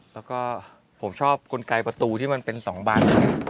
แล้วก็ผมชอบกลไกประตูที่มันเป็น๒ใบ